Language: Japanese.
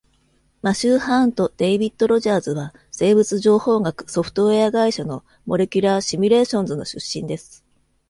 マシュー・ハーンとデイビッド・ロジャーズは、生物情報学ソフトウエア会社のモレキュラー・シミュレーションズの出身です。